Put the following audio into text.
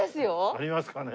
ありますかねえ。